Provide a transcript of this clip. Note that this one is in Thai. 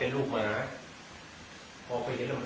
พอพริกลดมาลำตาล่วง